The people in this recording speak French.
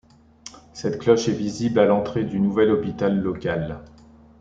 Cette cloche est visible à l'entrée du nouvel hôpital local.